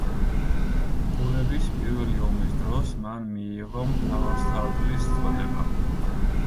ბურების პირველი ომის დროს მან მიიღო მთავარსარდლის წოდება.